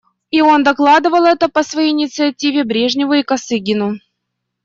И он докладывал это по своей инициативе Брежневу и Косыгину.